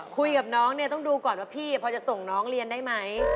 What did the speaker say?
คุยกับน้องเนี่ยต้องดูก่อนว่าพี่พอจะส่งน้องเรียนได้ไหม